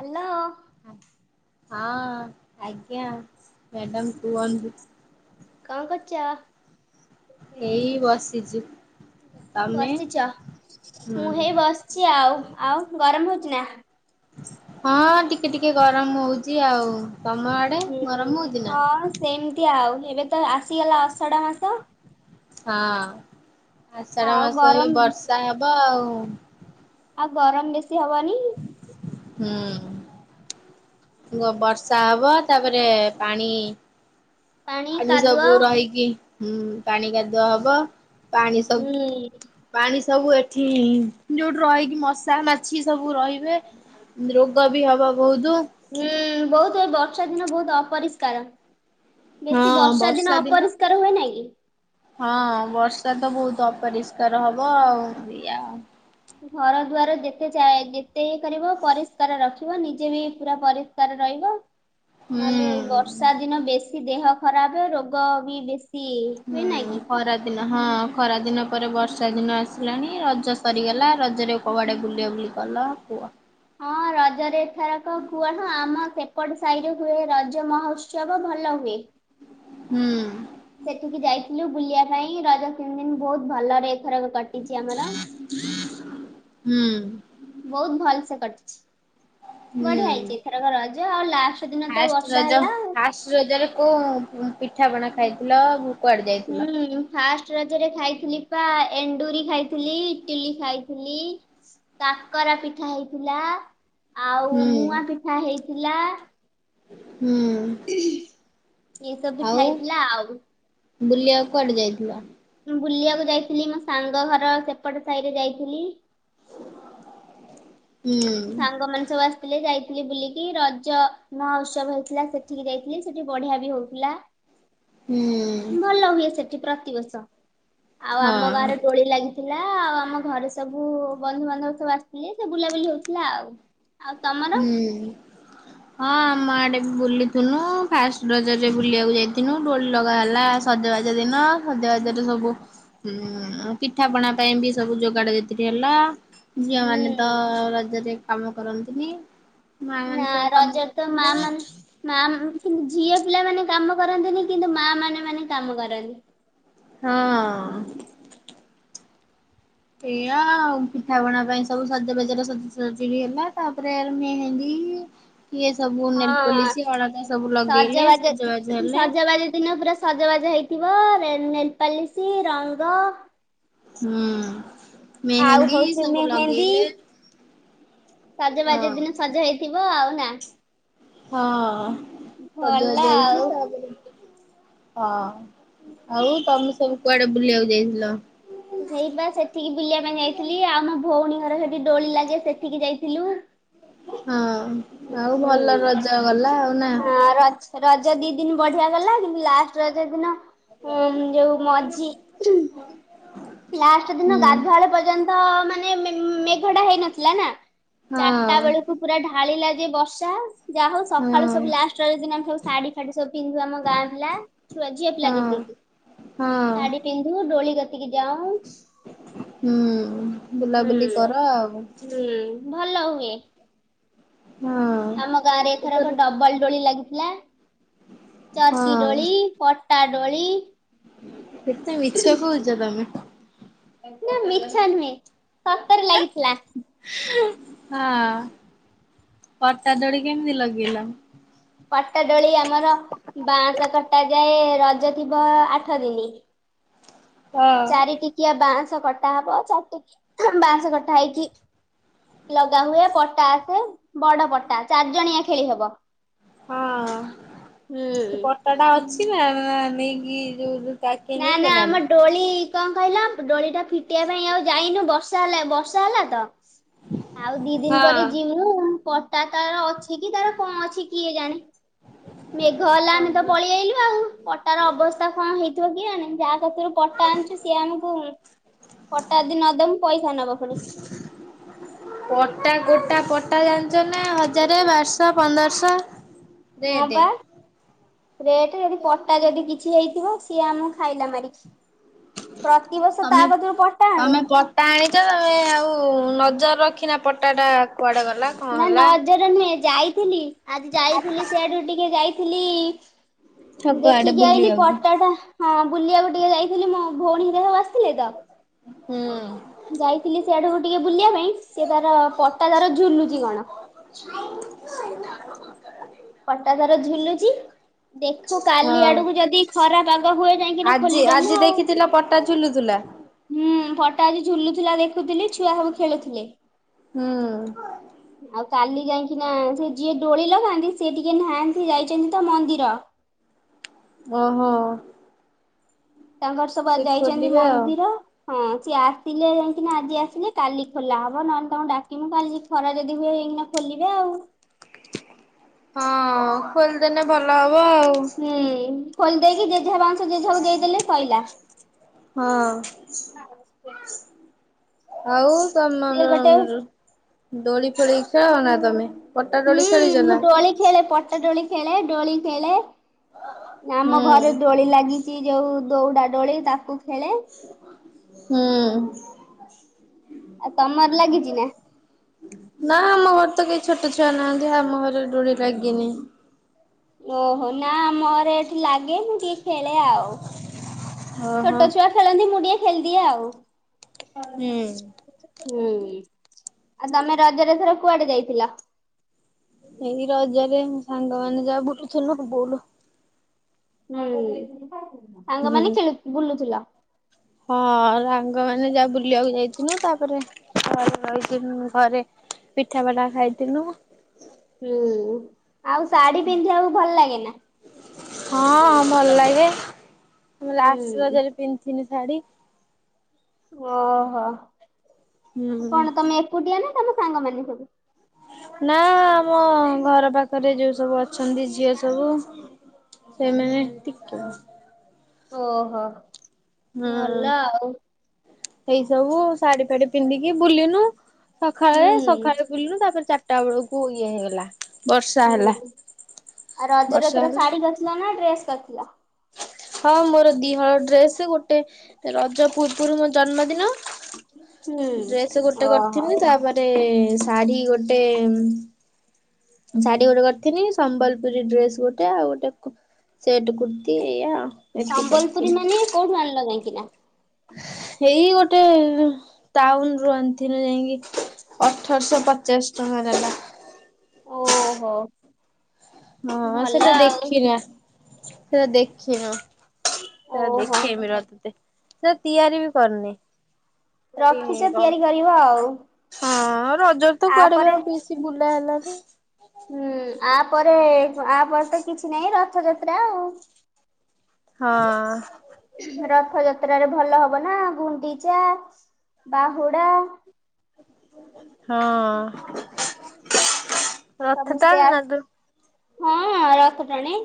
Hello! ହଁ ଆଜ୍ଞା madam କୁହନ୍ତୁ। କଣ କରୁଚ? ଏଇ ବସିଛି। ତମେ? ବସିଛ? ହୁଁ ମୁଁ ହେଇ ବସିଛି ଆଉ, ଆଉ ଗରମ ହଉଚି ନା? ହଁ ଟିକେ ଟିକେ ଗରମ ହଉଛି ଆଉ, ତୋମ ଆଡ ହୁଁ, ହଁ ସେମତି ଆଉ ଏବେ ତ ଆସିଗଲା ଅଶାଢ ମାସ। ହଁ ଆଷାଢ ଆଉ ମାସ ଏଇ ଗରମ ବର୍ଷା ହବ ଆଉ। ଆଉ ଗରମ ବେଶୀ ହବନି। ହୁଁ। ଗ-ବର୍ଷା ହବ, ତାପରେ ପାଣି ପାଣି ସବୁ ରହିକି ହୁଁ, ପାଣି କାଦୁଅ ହବ, ପାଣି ହୁଁ ସବ ପାଣି ସବୁ ଏଠି, ଯୋଉଠି ରହିକି ମଶା ମାଛି ସବୁ ରହିି ଯେ ଉଁ, ରୋଗ ବି ହବ ବହୁତୁ। ହୁଁ, ବହୁତୁ ଏ ବର୍ଷା ଦିନ ବହୁତ ଅପରିଷ୍କାର। ବେଶୀ ବର୍ଷା ଦିନ ଅପରିଷ୍କାର ହୁଏ ନାଇଁ କି? ହଁ ବର୍ଷା ତ ବହୁତ ଅପରିଷ୍କାର ହବ ଆଉ ଇଆ। ଘର ଦୁଆର ଯେତେ ଚା-ଯେତେ ଇଏ କରିବ ପରିଷ୍କାର ରଖିବ, ନିଜେ ବି ପୁରା ପରିଷ୍କାର ରହିବ। ହୁଁ! ନହେଲେ ଏଇ ବର୍ଷା ଦିନ ବେଶୀ ଦେହ ଖରାପ, ରୋଗ ବି ବେଶ ହୁଁ, ଖରା ଦିନ ହଁ ଖରା ଦିନ ପରେ ବର୍ଷା ଦିନ ଆସିଲାଣି, ରଜ ସରିଗଲା, ରଜରେ କୋଉ ଆଡେ ବୁଲିଆ ବୁଲି କଲ କୁଅ? ହଁ ର ରଜରେ ଏଥରକ କୁଅ ହଁ, ଆମ ସେପଟ ସାହିରେ ହୁଏ ରଜ ମହୋତ୍ସବ ଭଲ ହୁଏ। ହୁଁ। ସେଠିକି ଯାଇଥିଲୁ ବୁଲିବା ପାଇଁ ରଜ ତିନ ଦିନ ବହୁତ ଭଲରେ ଏଥରକ କଟିଛି ଆମର। ହୁଁ। ବହୁତ ଭଲ ସେ କଟିଛି ହୁଁ। ବଢିଆ ହେଇଛି ଏଥରକ ରଜ ଆଉ ଲାଷ୍ଟ ଦିନ ତ ଫାଷ୍ଟ ବର୍ଷା ରଜ ହେଲା ଆଉ ଫାଷ୍ଟ ରଜରେ କୋଉଁ ପିଠାପଣା ଖାଇଥିଲ? କୁଆଡେ ଯାଇଥିଲ? ହୁଁ। ଫାଷ୍ଟ ରଜରେ ଖାଇଥିଲି ପା ଏଣ୍ଡୁରି ଖାଇଥିଲି ଇଟିଲି ଖାଇଥିଲି କାକରା ପିଠା ହେଇଥିଲା ଆଉ ହୁଁ ମୁଆଁ ପିଠା ହେଇଥିଲା। ହୁଁ। ଏସବୁ ପିଠା ହେଇଥିଲା ଆଉ। ବୁଲିବାକୁ କୁଆଡେ ଯାଇଥିଲ? ବୁଲିବାକୁ ଯାଇଥିଲି ମୋ ସାଙ୍ଗ ଘର ସେପଟ ସାହି ରେ ଯାଇଥିଲି ହୁଁ ସାଙ୍ଗମାନେ ସବୁ ଆସ ଥିଲେ ଯାଇଥିଲି ବୁଲିକି ରଜ ମହୋଉତ୍ସବ ହେଇଥିଲା ସେଠିକି ଯାଇଥିଲି ସେଠି ବଢିଆ ବି ହଉଥିଲା। ହୁଁ। ଭଲ ହୁଏ ସେଠି ପ୍ରତିବର୍ଷ ଆଉ ଆମ ହଁ ଗାଁରେ ଦୋଳି ଲାଗି ଥିଲା ଆଉ ଆମ ଘରେ ସବୁ ବନ୍ଧୁବାନ୍ଧବ ସବୁ ଆସିଥିଲେ ସେ ବୁଲାବୁଲି ହଉଥିଲା ଆଉ। ଆଉ ତମର? ହୁଁ। ହଁ ଆମ ଆଡେ ବି ବୁଲିଥିନୁ ଫାଷ୍ଟ ରଜରେ ବୁଲିବାକୁ ଯାଇଥିନୁ ଡୋଳି ଲଗା ହେଲା ସଜବାଜ ଦିନ ସଜବାଜରେ ସବୁ ହୁଁ ପିଠାପଣା ପାଇଁ ବି ସବୁ ଯୋଗାଡ ଜାତିରି ହେଲା ଝିଅ ମାନେ ତ ହୁଁ ରଜରେ କାମ କରନ୍ତିନି। ମା ନା ମାନେ ସବୁ କାମ ରଜରେ ତ ମା ମାନେ କରନ୍ତି। ମା କି ଝିଅ ପିଲାମାନେ କାମ କରନ୍ତିନି କିନ୍ତୁ ମା ମାନେ ମାନେ କାମ କରନ୍ତି। ହଁ। ଏଇଆ ଆଉ ପିଠା ପଣା ପାଇଁ ସବୁ ସଜ ବେଜ ସଜସଜଡି ବି ହେଲା ତାପରେ ମେହେଣ୍ଡି ଇଏ ସବୁ ନେଲ୍ ହଁ ପୋଲିସି ଅଳତା ସବୁ ଲଗେଇଲେ ସଜବାଜ ହେଲେ [unintelligible] ସଜବାଜ ହେଇଥିବ ନେଲ୍- ନେଲ୍ ପାଲିଶି ରଙ୍ଗ ହୁଁ। ଆଉ ମେହେନ୍ଦୀ ହଉଛି ସବୁ ମେହେନ୍ଦୀ ଲଗେଇଲେ ସଜବାଜ ହଁ ଦିନ ସଜ ହେଇଥିବ ଆଉ ନା। ହଁ ସଜବାଜ ଭଲ ହେଇଚି ଆଉ ତା ପରେ ହଁ ଆଉ ତମେ ସବୁ କୁଆଡେ ବୁଲିବାକୁ ଯାଇଥିଲ? ହେଇପା ସେଠିକି ବୁଲିବା ପାଇଁ ଯାଇଥିଲି ଆଉ ମୋ ଭଉଣୀ ଘର ସେଠି ଡୋଳି ଲାଗେ ସେଠିକି ଯାଇଥିଲୁ। ହଁ ଆଉ ଭଲ ହୁଁ। ରଜ ଗଲା ଆଉ ନା। ହଁ ରଜ ରଜ ଦି ଦିନ୍ ବଢିଆ ଗଲା କିନ୍ତୁ ଲାଷ୍ଟ ରଜ ଦିନ ଉଁ ଯୋଉ ମଝି [inaudible] ଲାଷ୍ଟ ଦିନ ହୁଁ ଗାଧୁଆଳ ପର୍ଯ୍ୟନ୍ତ ମାନେ ମେ-ମେଘ ଟା ହେଇନଥିଲା ନା। ହଁ ଚାରଟା ବେଳକୁ ପୁରା ଢାଳିଲା ଯେ ବର୍ଷା ଯାହା ହଉ ହଁ ସକାଳୁ ସବୁ ଲାଷ୍ଟ୍ ରଜ ଦିନ ଆମେ ସବୁ ଶାଢ଼ୀ ଫାଢୀ ସବୁ ପିନ୍ଧୁ ଆମ ଗାଁ ପିଲା। ଛୁଆ ଝିଅ ପିଲା ହଁ। ଯେତିକି ହଁ ଶାଢୀ ପିନ୍ଧୁ ଡୋଳି କତିକି ଯାଉ ହୁଁ ହୁଁ ବୁଲାବୁଲି କର ଆଉ। ହୁଁ ଭଲ ହୁଏ। ହୁଁ। ଆମ ଗାଁ ରେ ଏଥର କ ଡବଲ ଡୋଳି ଲାଗିଥିଲା। ଚର୍କି ହଁ ଡୋଳି ପଟା ଡୋଳି କେତେ ମିଛ କହୁଛ ତମେ। ନା ମିଛ ନୁହେଁ ସତରେ ଲାଗିଥିଲା। ହଁ ପଟା ଦୋଡି କେମିତି ଲଗେଇଲ? ପଟାଡୋଳି ଆମର ବାଁଶ କଟା ଯାଏ ରଜ ଥିବ ଆଠ ଦିନ ହଁ ଚାରି ଟିକିଆ ବାଁଶ କଟା ହବ ଚାରିଟିକିଆ ବାଉଁସ କଟା ହେଇକି ଲଗା ହୁଏ ପଟା ଆସେ ବଡ ପଟା ଚାରି ଜଣିଆ ଖେଳି ହବ ହଁ ସେ ହୁଁ। ପଟା ଟା ଅଛି ନା ନା ନେଇକି ଯୋଉ କାକେଇ ନା ନା ନେଇଗଲାଣି? ଆମ ଡୋଳି କଣ କହିଲା ଡୋଳି ଟା ଫିଟିବା ପାଇଁ ଆଉ ଯାଇନୁ ବର୍ଷ ବର୍ଷା ହେଲା ତ ଆଉ ଦି ଦିନ ପରେ ହଁ। ଯମୁ ଉଁ ପଟା ତାର ଅଛି କି ତାର କଣ ଅଛି କିଏ ଜାଣି ମେଘ ହେଲା ଆମେ ତ ଓହୋ ପଳେଇ ଆଇଲୁ ଆଉ ପଟାର ଅବସ୍ଥା କଣ ହେଇ କି ଯାହା କଛରୁ ପଟା ଆଣିଛୁ ସିଏ ଆମକୁ ପଟା ଯଦି ନଦବୁ ପଇସା ନବ ପୁଣି। ପଟା ଗୋଟା ପଟା ଜାଣିଛ ନା ହଜାର ବାରଶହ ପନ୍ଦରଶହ ହଁ ରେଟେ ବା ରେଟ ଯଦି ପଟା ଯଦି କିଛି ହେଇଥିବ ସିଏ ଆମକୁ ଖାଇଲା ମାରିକି ପ୍ରତିିବର୍ଷ ତା କତରୁ ପଟା ଆଣୁ ଟାଣିଛ ତମେ ଆଉ ନଜର ରଖିନା ପଟାଟା କୁଆଡ଼େ ଗଲା ନା ନଜର ନୁହେଁ ଯାଇଥିଲି ଆଜି ଯାଇଥିଲି ସେଆଡୁ ଟିକେ ଯାଇଥିଲି। ସବୁ ଆଡେ ଦେଖିକି ଆଇିଲି ବୁଲିବାକୁ। ପଟାଟା ହଁ ବୁଲିବାକୁ ଟିକେ ଯାଇଥିଲି ମୋ ଭଉଣୀରେ ସବୁ ଆସିଥିଲେ ତ। ହୁଁ ଯାଇଥିଲି ସେଆଡକୁ ଟିକେ ବୁଲିବା ପାଇଁ ସେ ତାର ପଟା ତାର ଝୁଲୁଛି କଣ। ପଟା ତାର ଝୁଲୁଚି ଦେଖୁ କାଲି ଆଡକୁ ହଁ ଯଦି ଖରା ପାଗ ହୁଏ ଯାଇକିନା ଆଜି ଆଜି ଖୋଲିଦମୁ ଆଉ ଦେଖିଥିଲ ପଟା ଝୁଲୁଥିଲା? ହୁଁ ଫଟା ଆଜି ଝୁଲୁଥିଲା ଦେଖୁଥିଲି ଛୁଆ ସବୁ ଖେଳୁଥିଲେ। ହୁଁ ଆଉ କାଲି ଯାଇକି ନା ସେ ଯିଏ ଡୋଳିିଲ ନାନ୍ତି ସେ ଟିକେ ନାହାନ୍ତି ଯାଇଛନ୍ତି ତ ମନ୍ଦିର। ଓହୋ ତାଙ୍କର ସବୁ ସେ ଯାଇଛନ୍ତି ଖୋଲିବେ ଆଉ। ମନ୍ଦିର। ହଁ ସିଏ ଆସିଲେ ଯାଇକି ଆଜି ଆସିଲେ କାଲି ଖୋଲା ହବ ନହେଲେ ତମକୁ ଡାକିବୁ କାଲି। ଖରା ଯଦି ହୁଏ ହେଇକିନା ଖୋଲିବେ ଆଉ ହଁ ଖୋଲିଦେଲେ ଭଲ ହବ ଆଉ। ହୁଁ ଖୋଲିଦେଇକି ଜେଜେଆ ବାଉଂଶ ଜେଜେଆକୁ ଦେଇଦେଲେ ଶୋଇଲା। ହଁ ଆଉ ସିଏ ତମର ଗୋଟେ ଦୋଳି ଫୋଳି ଖାଅ ନା ତମେ? ପଟା ହୁଁ ଦୋଳି ଖେଳିଛ ମୁଁ ନା? ଡୋଳି ଖେଳେ ପଟା ଡୋଳି ଖେଳେ ଡୋଳି ଖେଳେ ହୁଁ ଆମ ଘରେ ଡୋଳି ଲାଗି ଯୋଉ ଦୌଡାଡୋଳି ତାକୁ ଖେଳେ। ହୁଁ ଆଉ ତମର ଲାଗିଛି ନା? ନା ଆମ ଘର ତ କେହି ଛୋଟ ଛୁଆ ନାହାନ୍ତି ଆମ ଘରେ ରୋଢ ଲାଗିନି ଓହୋ ନା ମୋରେ ଲାଗେ ମୁଁ ଟିକେ ଖେଳେ ଆଉ ଓହୋ ଛୋଟ ଛୁଆ ଖେଳନ୍ତି ମୁ ଟଏ ଖେଳଦିଏ ଆଉ ହୁଁ। ହୁଁ ଆଉ ତମେ ରଜରେ ଏଥର କୁଆଡେ ଯାଇଥିଲ? ଏଇ ରଜରେ ସାଙ୍ଗ ମ ମାନେ ଯାହା ବୁଲୁଥିଲୁ। ହୁଁ ସାଙ୍ଗମାନେ ହୁଁ ଖେଳି- ବୁଲୁଥିଲ? ହଁ ସାଙ୍ଗ ମାନେ ଯାହା ବୁଲିବାକୁ ଯାଇଥିଲୁ ତାପରେ [unintelligible] ଘରେ। ପିଠା ପାଟା ଖାଇଥିଲୁ। ହୁଁ ଆଉ ଶାଢୀ ପିନ୍ଧିବାକୁ ଭଲ ଲାଗେ ନା? ହଁ ଭଲ ଲାଗେ ମୁଁ ଲାଷ୍ଟ୍ ହୁଁ ରଜରେ ପିନ୍ଧିଥିଲି ଶାଢୀ। ଓହୋ ହୁଁ। କଣ ତମେ ଏକୁଟିଆ ନା ତମ ସାଙ୍ଗମାନେ ସବୁ? ନା ଆମ ଘର ପାଖ୍ ପାଖରେ ଯଉ ସବୁ ଅଛନ୍ତି ଝିଅ ସବୁ ସେମାନେ ଟି [unintelligible] ଓହୋ। ହୁଁ ଭଲ ଆଉ ସେଇ ସବୁ ଶାଢୀ ଫାଢି ପିନ୍ଧିକି ବୁଲିନୁ ହୁଁ ସଖାଳେ- ସଖାଳେ ବୁଲିଲୁ ତାପରେ ଚାରିଟା ବେଳକୁ ଇଏ ହେଇଗଲା। ବର୍ଷା ହେଲା ହୁଁ ଆଉ ରଜରେ -ବର୍ଷା ଏଥର ହେଲା [unintelligible] ନା ଡ୍ରେସ୍ କରିଥିଲ? ହଁ ମୋର ଦି ହଳ ଡ୍ରେସ୍ ଗୋଟେ ରଜ ପୂର୍ବରୁ ମୋ ଜନ୍ମଦିନ ହୁଁ ଡ୍ରେସ୍ ଗୋଟେ ଓହୋ କରିଥିଲି ତାପରେ ଶାଢୀ ଗୋଟେ ଶାଢୀ ଗୋଟେ କରିଥିଲି ସମ୍ବଲପୁରୀ ଡ୍ରେସ୍ ଗୋଟେ ଆଉ କୁ-ଗୋଟେ ସେଟ୍ କୁର୍ତ୍ତି ଏଇଆ ଆଉ। ସମ୍ବଲପୁରୀ ମାନେ କଉଠୁ ଆଣିଲ ଯାଇଁକିନା? ଏଇ ଗୋଟେ ଟାଉନ୍ ରୁ ଆଣିଥିଲି ଯାଇଁକି ଅଠରଶ୍ ପଚାଶ୍ ଟଙ୍କା ନେଲା। ଓହୋ ହଁ ଭଲ ସେଟା ଆଉ ଦେଖିିନିଆ ସେଟା ଦେଖିନୁ। ସେଟା ଓହୋ ଦେଖେଇବି ରହ ତତେ ସେରା ତିଆରି ବି କରିନି। ରଖିଛ [unintelligible] ତିଆରି କରିବ ଆଉ। ହଁ ରଜରେ ତ କୁଆଡେ ବି ଆପରେ ଆଉ [unintelligible] କି ବୁଲା ହେଲାନି। ହୁଁ- ଆ ପରେ- ଆ ପରେ ତ କିଛି ନାହିଁ ରଥଯାତ୍ରା ଆଉ। ହଁ। ରଥ ଯାତ୍ରାରେ ଭଲ ହବ ନା ଗୁଣ୍ଡିଚା, ବାହୁଡା ହଁ। ରଥ ସମସ୍ତେ ଟାଣୁ ନା ତୁ? ଆସ- ହଁ -ହଁ ରଥ ଟାଣି।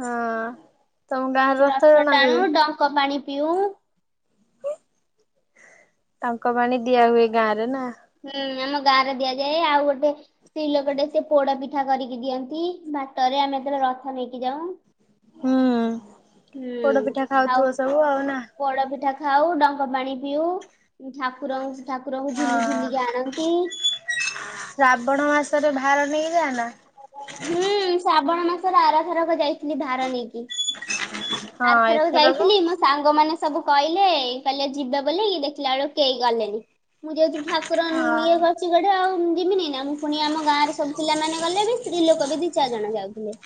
ହଁ-ତମ ଗାଁରେ ରଥ ଟଣା ହୁଏ? ଟଙ୍କ ପାଣି ପିଉ। ତାଙ୍କ ପାଣି ଦିଆ ହୁଏ ଗାଁ ରେ ନା। ହୁଁ ଆମ ଗାଁ ରେ ଦିଆଯାଏ। ଆଉ ଗୋଟେ ସ୍ତ୍ରୀ ଲୋକ ଟେ ସେ ପୋଡା ପିଠା କରିକି ଦିଅନ୍ତି। ବାଟରେ ଆମେ ଯେତେବେଳେ ରଥ ନେଇକି ଯାଉ। ହୁଁ ପୋଡ ହୁଁ- ପିଠା ଆଉ ଖାଉଥିବ ସବୁ ଆଉ ନା? ପୋଡ ପିଠା ଖାଉ, ଡଙ୍କ ପାଣି ପିଉ, ଠାକୁରଙ୍କ- ଠାକୁରଙ୍କୁ ଝୁଲି ହଁ ଝୁଲିିକି ଶ୍ରାବଣ ମାସରେ ଭାର ନେଇକି ଯାଅ ନା? ହୁଁ-ଶ୍ରାବଣ ମାସର ଆର ଥରକ ଯାଇଥିଲି ଭାର ନେଇକି। ହଁ ଆର୍ ଥରକୁ ଏଥରକ ଯାଇଥିଲି ମ ସାଙ୍ଗମାନେ ସବୁ କହିଲେ -କହିଲେ ଯିବେ ବୋଲିକି ଦେଖିଲା ବେଳକୁ କେହି ଗଲେନି। ମୁଁ ଯେହେତୁ ଠା ଙ୍କୁର ଇଏ ହଁ। କରି ଚି ସେଠୁ ଆଉ ଯିବିନି ନା ମୁଁ ପୁଣି ଆମ ଗାଁରେ ସବୁ ପିଲାମାନେେ ଗଲେ ବି ସ୍ତ୍ରୀ ଲୋକ ବି ଦି ଚାରି ଜଣ ଯାଉଥିଲେ।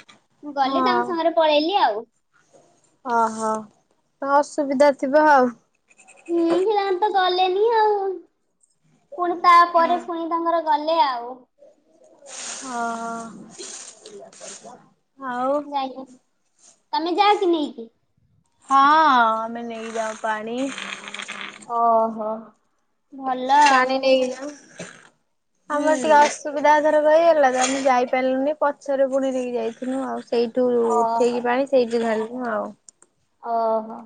ମୁଁ ଗଲି ତାଙ୍କ ହଁ ସାଙ୍ଗରେ ପଳେଇଲି ଆଉ। ଓହୋ ତ ଅସୁବିଧା ଥିବ ଆଉ। ହୁଁ ହେମାନେ ତ ଗଲେନି ଆଉ। ପୁଣି ହଁ। ତାପରେ ପୁଣି ତାଙ୍କର ଗଲେ ଆଉ। ହଁ। ଆପଛ [unintelligible] ଯାଇନି ତମେ ଯା କି ନେଇକି। ହଁ, ଆମେ ନେଇଯାଉ ପାଣି। ଓହୋ। ଭଲ ଆଉ ପାଣି ନେଇକି ଯାଉ। ଆମର ଟିକେ ହୁଁ। ଅସୁବିଧା ଧର କହିଗଲା ତ ଆମେ ଯାଇପାରିଲୁନି ପଛରେ ପୁନି ନେଇକି ଯାଇଥିଲୁ ଆଉ। ସେଇଠୁ ଓହୋ। ଉଠେଇକି ପାଣି ସେଇଠୁ ଢାଳିଲୁ ଆଉ। ଓହୋ।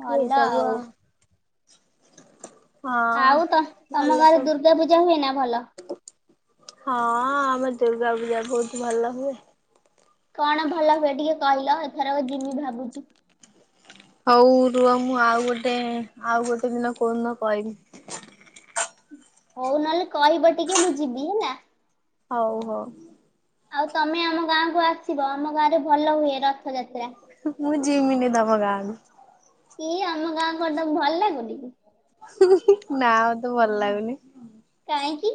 ଭଲ ଆଉ। ଆଉ ତ ହଁ। ତମ ଭଲ ଘରେ ସବୁ ଦୁର୍ଗା ପୂଜା ହୁଏ ନା ଭଲ? ହଁ ଆମର ଦୁର୍ଗା ପୂଜା ବହୁତ ଭଲ ହୁଏ। କଣ ଭଲ ହୁଏ ଟିକେ କହିଲ? ଏଥର ଯିମି ଭାବୁଛି। ହୋଉ ରୁହ ମୁଁ ଆଉ ଗୋଟେ ଆଉ ଗୋଟେ ଦିନ କୋଉଦିନ କହିବି? ହୋଉ ନହେଲେ କହିବ ଟିକେ ମୁଁ ଯିବି ହେଲା। ହଉ ହଉ। ଆଉ ତମେ ଆମ ଗାଁକୁ ଆସିବ ଆମ ଗାଁରେ ଭଲ ହୁଏ ରଥଯାତ୍ରା। ମୁଁ ଜିମିନି ଦବ ଗାଁକୁ। କି ଆମ ଗାଁ କଣ ତମକୁ ଭଲ ଲାଗୁନି କି? ନା ମତେ ଭଲ ଲାଗୁନି। କାଇଁକି?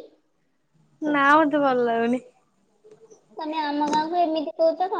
ନା ମତେ ଭଲ ଲାଗୁନି। ତମେ ଆମ ଗାଁକୁୁ ଏମିତି କହୁଛ କଣ?